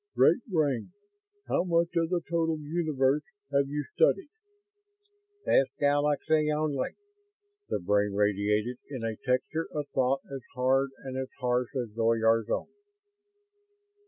Great Brain, how much of the total universe have you studied?" "This Galaxy only," the Brain radiated, in a texture of thought as hard and as harsh as Zoyar's own.